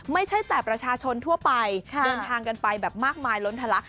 ไม่ใช่แต่ประชาชนทั่วไปเดินทางกันไปแบบมากมายล้นทะลัก